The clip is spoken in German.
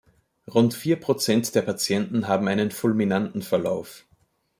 Rund vier Prozent der Patienten haben einen fulminanten Verlauf.